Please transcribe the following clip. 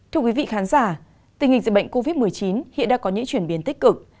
thưa quý vị khán giả tình hình dịch bệnh covid một mươi chín hiện đã có những chuyển biến tích cực